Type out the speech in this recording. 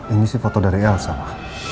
ini sih foto dari elsa